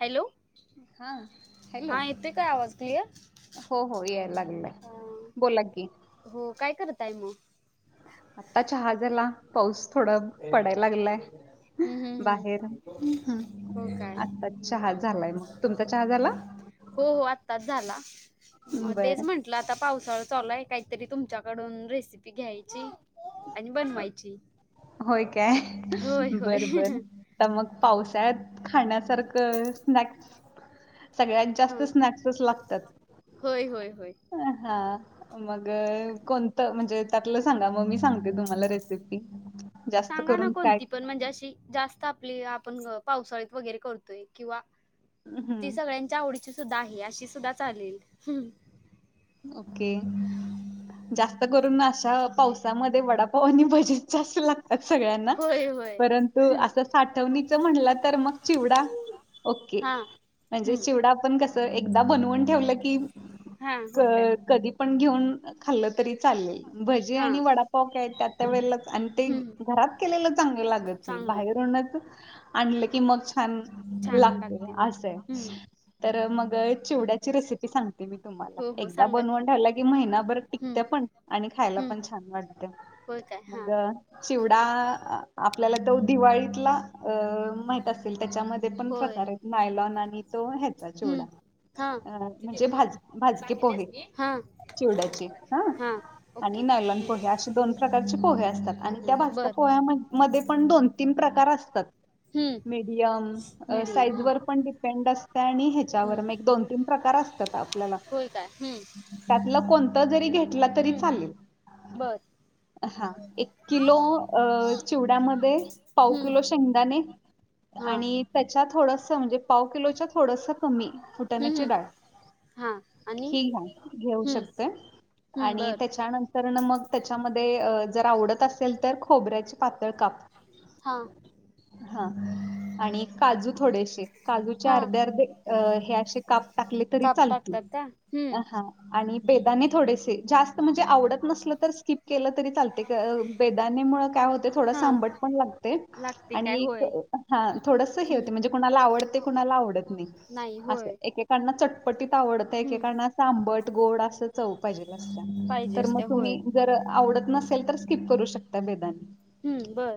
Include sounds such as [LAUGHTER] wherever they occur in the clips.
Hello हा hello हा येते काय आवाज क्लिअर. हो हो याय लागलंय बोला. की हो काय करतय मग. आता चहाजला पाऊस थोडा पडायला लागलाय. हम्म हम बाहेर हम हो काय. आता चहा झालाय मग तुमचा चहा झाला हो हो आत्ताच झाला म बर तेच म्हण ला आता पावसाळा चालूय काहीतरी तुमच्याकडून रेसिपी घ्यायची. आणि बनवायची. होय काय होय होय बरं बर. तर मग पावसाळ्यात खाण्यासारखं स्नॅक्स. सगळ्यात ह जास्त स्नॅक्सच लागतात. होय होय होय. अ हा. मग कोणतं म्हणजे त्यातलं सांगा मग मी सांगते तुम्हाला रेसिपी. जास्त सांगा ना करून काय कोणती पण म्हणजे अशी जास्त आपली आपण पावसाळीत वगैरे करतोय किंवा ती हम्म सगळ्यांची तुमच्या आवडीची सुद्धा आहे अशी सुद्धा चालेल. ओके जास्त करून अशा पावसामध्ये वडापावानी बजेट जास्त लागतात सगळ्यांना होय होय परंत तू असं साठवणीच म्हणलं तर मग चिवडा. ओके हा म्हणजे हम्म चिवडा आपण कस एकदा बनवून ठेवलं की हा क होय काय कधी पण घेऊन खाल्लं तरी चालेलेल. भजी हा आणि वडापाक आहेत ते आता वेळेलाच आणि ते हम्म घरात केलेलं चांगलं लागत नाही चांगलं बाहेर आण की मग छान छान लागते होय असं. हम्म तर मग चिवड्याची रेसिपी सांगते मी तुम्हाला. हो हो दा सांगा की बनवून ठेयला कि महिनाभर हम्म टिकत पण आणि खायला पण छान वाटत. हो काय. मग हा चिवडा आपल्याला तो दिवाळीतला अ माहित असेल त्याच्यामध्ये पण होय प्रकार आहे. नायलॉन आणि तो ह्याचा हम्म चेवडा हा अ किती म्हणजे आहेत का भाज भाज की सांगितलेस पोहे मी हा चिवड्याचे ह हा आणि ओके नायलॉन हम्म पोहे असे दोन प्रकारचे पोहे असतात आणि त्या हम्म भाजक्या बर पोह्या मध्ये पण दोन तीन प्रकार असतात. हम्म मीडियम मीडियम साईज हम्म वर पण डिपेंड असते आणि ह्याच्यावर म एक दोन तीन प्रकार असतात आपल्याला. हो काय हम्म. त्यातलं कोणतं जरी घेतला तरी चालेल. बरं. हा एक किलो अ चिवड्यामध्ये पाव हम्म किलो शेंगदाणे हा आणि त्याच्या थोडस म्हणजे पाव किलोच्या थोडस कमी फुटाण्याची डाळ हां ही घ्या घेऊ शकते हम्म आणि बर त्याच्यानंतरन मग त्याच्यामध्ये जर आवडत असेल तर खोबऱ्याचे पातळ काप हा हा आणि काजू थोडेसे काजूचे हा अर्धे अर्धे अ हे असे काप टाकले तरी चालत हम् [UNINTELLIGIBLE] हा आणि बेदाने थोडेसे जास्त म्हणजे आवडत नसल तर स्किप केलं तरी चालते. बेदाने मुळ काय होते थोडंस हा आंबट पण लागते. लागते काय आणि एक होय. हा थोडस हे हम्म होते म्हणजे कुणाला आवडते कुणाला आवडत नाही. अंस एकेकांना चटपटीत आवडतय. हम्म एकेकांना असं आंबट गोड असं चव पाहिजेल असत्या पाहिजे तर असते मग होय तुम्ही- जर आवडत नसेल तर स्किप करू शकता बेदाने. हम्म बरं.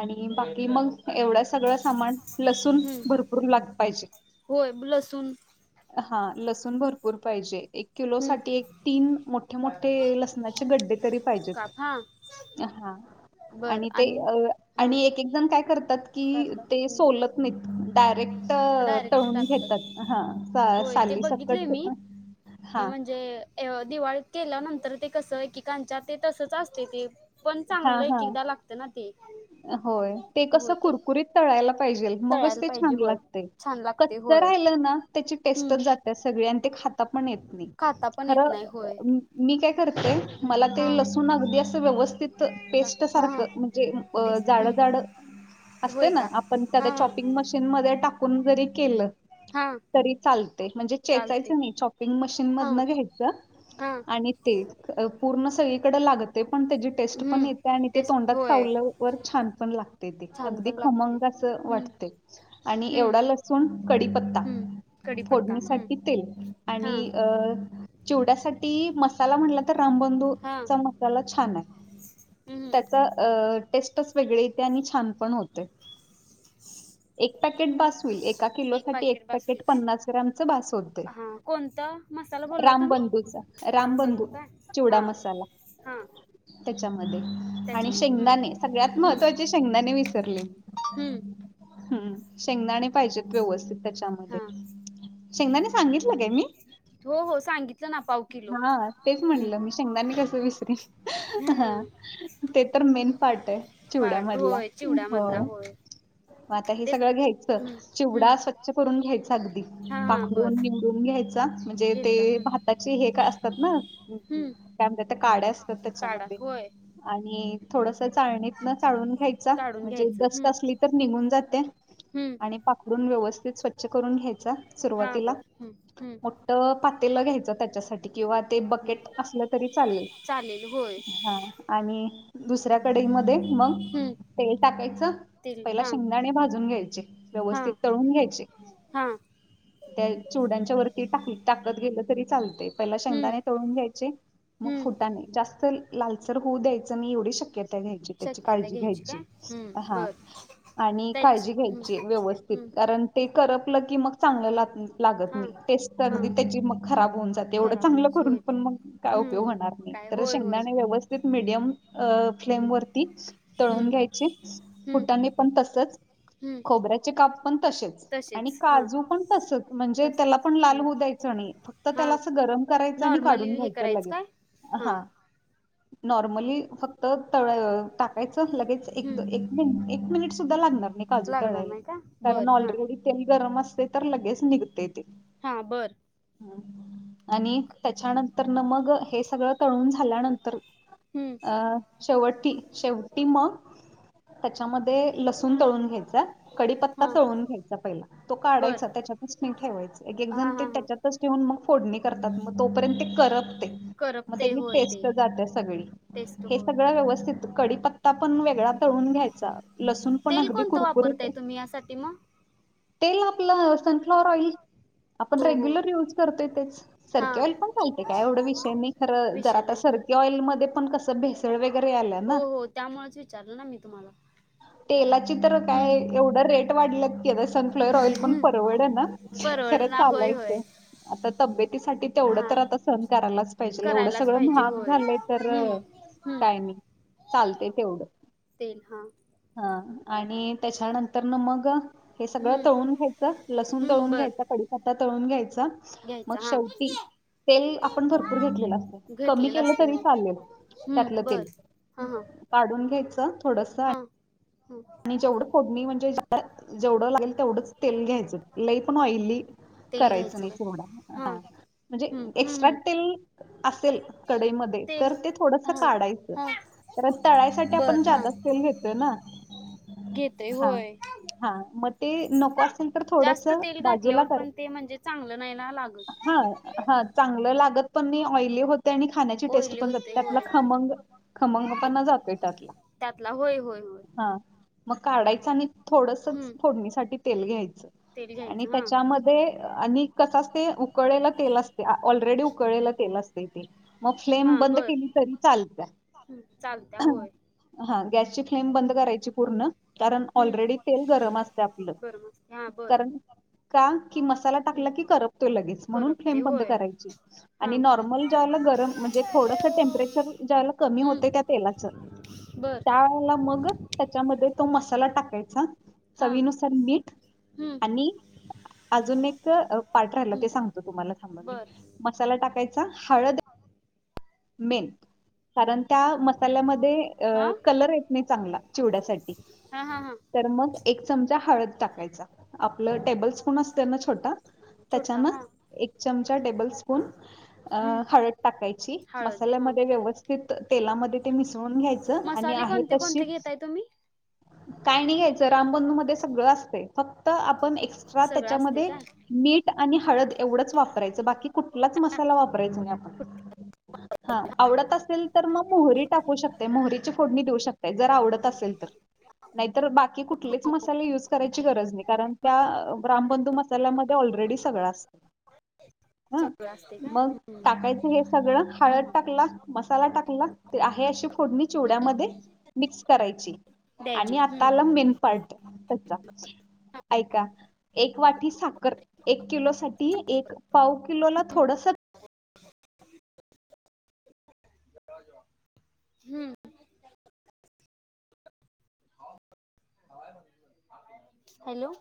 आणि बाकी मग. एवढा सगळं सामान लसून हम्म भरपूर लाग पाहिजे. होय लसूण हा लसूण भरपूर पाहिजे एक किलो हम्म साठी एक. तीन मोठे मोठे लसणाचे गड्डे तरी पाहिजेत. काप हा हा आणि ते अ हा आणि एक एक जण काय करतात. कि करतात ते हम्म. सोलत नाहीत डायरेक्ट डायरेक्ट तळून टाकतात घेतात हा, सा साली सकट- कि हा म्हणजे, अ दिवाळीत केल्यानंतर ते कसं एकेकांच्या ते तसच असते ते पण हा चांगलं हा एक एकदा लागत ना ते होय. हो कसं ते कुरकुरीत तळायला पायजे मगच‌ तळायला ते पाहिजे छान होय लागते छान लागते कच्च होय राहिलना त्याची हम्म टेस्टच जाते. सगळे आणि ते खाता पण येत नाही. खाता पण खर येत नाही होय मी काय करते मला ते हा लसूण अगदी असं व्यवस्थित पेस्ट हा हा सारखं म्हणजे टीस जाडजाड हम्म होय असतं ना काय आपण हा त्याला च्यॉपिंग मशीन मध्ये टाकून जरी केलं. हा. तरी चालते म्हणजे चालते चेचायचं नाही चॉपिंग मशीन हा मधन घ्यायचं, हा आणि ते पूर्ण सगळीकड लागतय पण त्याची टेस्ट पण हम्म येते आणि ते टेस्ट तोंडात होय चावल्या वर छान पण लागते ते छान अगदी पण लागते खमंग अस हम्म वाटतय आणि हम्म एवढा लसूण कडीपत्ता हम्म कडीपत्ता हम्म फोडणीसाठी तेल, हा आणि अ चिवड्यासाठी मसाला म्हटलं तर हा रामबंधूचा मसाला छान आहे. हम्म त्याचा टेस्टच वेगळे येते आणि छान पण होते. ह. एक पॅकेट बास होईल एका किलो साठी एक पाकिट बसेल पॅकेट का पन्नास ग्रॅम च बास होतय तर मसाला बोलला तुम्ही राम बंधू रामबंधू का चिवडा हा मसाला. हा. आणि त्याच्यामध्ये हम्म शेंगदाने सगळ्यात हम्म महत्वाचे शेंगदाने विसरले. हम्म शेंगदाणे पाहिजेत व्यवस्थित त्याच्यामध्ये हा शेंगदाणे सांगितलं काय मी. हो हो सांगितलं ना पाऊ. हा तेच म्हणलं मी शेंगदाने कसं विसरेन ह. हम्म ते तर मेन पार्ट आहे पार्ट चिवड्यामधला होय हो. चिवड्यामधला होय मग आता हे ते सगळं घ्यायचं हम्म चिवडा हम्म स्वच्छ करून घ्यायचा अगदी हा हा पाखडून. बस दुध घ्यायचा म्हणजे ते घेतला हम्म त्याची हे काय असतात ना त्या हम्म काय म्हणतात काड्या असतात काढा त्याच्यामध्ये होय आणि हम्म. थोडस चाळणीतन चाळून घ्यायचा. काढून म्हणजे घ्यायचं डस्ट असली तर निघून जाते. हम्. आणि पाकडून व्यवस्थित स्वच्छ करून घ्यायचा हा सुरवातीला. बर हम्म हम्म पातेलं घ्यायचं त्याच्यासाठी. किंवा ते हम्म बकेट असलं तरी चालेल चालेल होय हा आणि दुसऱ्या कढईमध्ये मग हम्म तेल टाकायचं तील पहिला हा शेंगदाणे भाजून घ्यायचे हा व्यवस्थित तळून घ्यायचे हा त्या चिवड्यांच्या वरती टाकी टाकत गेलं तरी चालतंय. पहिला हम्म शेंगदाणे तळून घ्यायचे मग हम्म फुटाने जास्त लालसर होऊ द्यायचं नई एवढी शक्यत घ्यायची त्याची शक्यता काळजी घ्यायची काय हम्म हा बर आणि त्याच काळजी हम्म घ्यायची व्यवस्थित हम्म कारण ते करपलं की मग चांगलं लागत हा नाही टेस्ट हा [UNINTELLIGIBLE] त्याची मग खराब होऊन जाते. एवढं खराब चांगल होत करून होय काय पण मग काय उपयोग हम्म होणार नाही. काय तर होय होय शेंगदाने व्यवस्थित मिडियम अ हम्म फ्लेम वरती तळून हम्म घ्यायची हम्म फुटाने पण तसचं हम्म खोबऱ्याचे काप पण तसेच आणि तसेच हा काजू पण तसच म्हणजे त्याला तसच पण लाल हम्म होऊ द्यायचं. फक्त हा त्याला अस गरम करायचं आणि नॉर्मली काढून हे घ्यायचं करायचं लगेल काय हा. नॉर्मली फक्त त टाकायचं लगेच एक हम्म मिनिट सुद्धा लागणार नाही. काजू तळ [UNINTELLIGIBLE] बर हा तेल गरम असते तर लगेच निघते ते हां बरं. हम् आणि त्याच्यानंतर न मग हे सगळं तळून झाल्यानंतर हम्म अं शेवटीं शेवटी मग. त्याच्यामध्ये लसूण तळून घ्यायचा कडीपत्ता हा तळून घ्यायचा पहिला तो बर काढायचा. त्याच्या ठेवायचण एक एक हा जन हा हा त्याच्यातच ठेून मग फोडणी करतात. तोपर्यंत कर मग करपते त्याची होय ते टेस्ट जात्या सगळी टेस्ट हे होय सगळ व्यवस्थित कडीपिता ता पण वेगळा तळून घ्यायचा लसूण पण तेल अगदी कोणतं कुरकुरीत. वापरताय तुम्ही यासाठी मग तेल आपलं सनफ्लॉवर ऑइल आपण हो हो रेग्युलर यूज करतोय तेच हा सरकी ऑइल पण माहिते काय एवढं विषय नाही खरं जर विषय आता नाही हम्म सरकी ऑइलमध्ये पण कसं भेस [UNINTELLIGIBLE] आले हो हो त्यामुळेच विचारलं ना मी तुम्हाला तेलाची तर काय हम्म एवढं रेट वाढला की आता सनफ्लॉवर ऑइल पण परवड ना. परवड खरं ना होय होय चालायचं आता तब्येतीसाठी तेवढं हा तर आता सण करायलाच पाहिजे. एवढं करायलाच सगळं पाहिजे महाग होय झालंय तर. हम्म हम्म काय नाही चालतय तेवढं. तेल हा हा आणि त्याच्यानंतर न मग हे सगळं हम्म तळून घ्यायचं लसूण हम्म तळून घ्यायचं कडीपत्ता तळून घ्यायचा घ्यायच मग हा शेवटी तेल आपण भरपूर घेतलेलं असतं कमी [UNINTELLIGIBLE] केलं असत तरी हो चालेल त्यातलं हम्म बर तेल हा हा काढून घ्यायचं थोडस ह हम आणि जेवढं फोडणी म्हणजे जेवढं लागेल तेवढंच तेल घ्यायचं लई पण ऑइली तेल करायचं घ्यायचं नाही काय तेवढा हां हा म्हणजे हं हं एक्स्ट्रा हं तेल असेल कडईमध्ये तेल तर ते थोडस हां काढायचं हां तर तळाईसाठी बर आपण हां जादाच तेल घेतोय ना घेतय हा होय. हा, मग ते नको अस त्याच्यानंतर थोडस जास्त तेल बाजूला घातल्यावर कर, पण ते म्हणजे चांगलं नाही ना लागत हा हा चांगल लागत पण ते ऑइली होते आणि खाण्याची टेस्ट ऑइली पण जाते होते त्यातला होय खमंग, खमंगपणा जातोय त्यातला. त्यातला होय होय होय. हा मग काढायचं आणि थोडसच हं फोडणीसाठी तेल घ्यायचं. तेल घ्या आणि त्याच्यामध्ये आणि कस असतय? उकळलेलं तेल असतय, ऑलरेडी उकळलेलं तेल असतय. मग फ्लेम हां बंद बर केली तरी चालत्या. हं चालत्या होय हा गॅसची फ्लेम बंद हं करायची पूर्ण कारण हं ऑलरेडी तेल गरम असतय आपलं बरं मग हां बर कारण का? की मसाला हं टाकला की करपतो लगेच म्हणून करपते फ्लेम बंद होय करायची. हां आणि नॉर्मल ज्याला गरम म्हणजे थोडस टेम्परेचर ज्या वेळेला कमी होत हं त्या तेलाच बर त्यावेळाला मग? त्याच्यामध्ये तो मसाला टाकायचा हां चवीनुसार मीठ हं आणि अजून एक पाठ राहिला ते हं सांगतो तुम्हाला थांबा मी मसाला टाकायचा हळद हळद. मेन कारण त्या मसाल्यामध्ये अ हा कलर येत नाही चांगला, चिवड्यासाठी. हा हा हा तर मग एक चमचा हळद टाकायचा आपलं टेबल स्पून असतंय ना छोटा? छोटा त्याच्यान हा एक चमचा टेबल स्पून अ हम्म हळद टाकायची. हळद हा मसाल्यामध्ये व्यवस्थित तेलामध्ये ते मिसळून घ्यायचं आणि मसाले आहे कोणते तशी कोणते घेताय तुम्ही काय नाही घ्यायचं रामबंदधू मध्ये सगळं असतय. फक्त आपण एक्स्ट्रा सगळं असते त्याच्यामध्ये का मीठ आणि हळद एवढंच वापरायचं बाकी कुठ कुठलाच मसाला वापरायचा नाही आपण. हा आवडत असेल तर मग मोहरी टाकू शकतेय मोहरीची फोडणी देऊ शकते. ते जर आवडत असेल तर नाहीतर बाकी कुठलेच मसाले युज करायची गरज नाही, कारण त्या रामबंधू मसा त्याला मध्ये ऑलरेडी सगळं असत. हो हा मग टाकायचं हे सगळं? हळद हम्म टाकला, मसाला टाकला ते आहे अशी फोडणी चिवड्यामध्ये मिक्स करायची. द्यायची. आणि आता हम्म आला मेन पार्ट त्या ऐका. एक वाटी साखर, एक किलो साठी एक पाव किलोला थोडस [INAUDIBLE] हम्म. हॅलो.